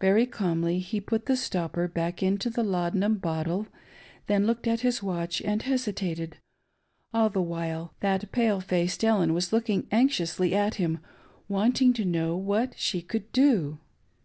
Very calmly he put the stopper back into the laudanum bottle, then looked at his watch and hesitated, all the while that pale faced Ellen was looking anxiously at him, wanting to know what she could do.